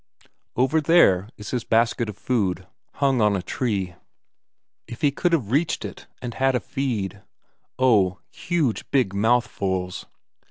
Over there is his basket of food, hung on a tree if he could but have reached it, and had a feed oh, huge big mouthfuls!